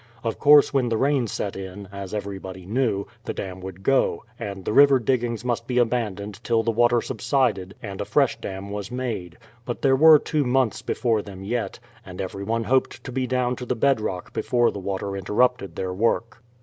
Of course, when the rain set in, as everybody knew, the dam would go, and the river diggings must be abandoned till the water subsided and a fresh dam was made; but there were two months before them yet, and everyone hoped to be down to the bedrock before the water interrupted their work.